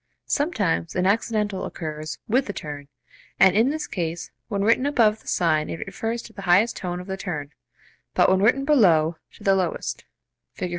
Sometimes an accidental occurs with the turn, and in this case when written above the sign it refers to the highest tone of the turn, but when written below, to the lowest (Fig.